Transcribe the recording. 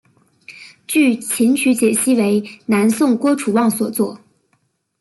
据琴曲解析为南宋郭楚望所作。